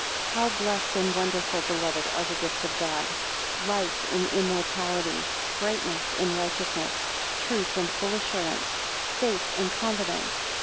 HOW blessed and wonderful, beloved, are the gifts of God. 2 Life in immortality! brightness in righteousness! truth in full assurance! faith in confidence!